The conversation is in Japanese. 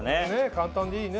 簡単でいいね。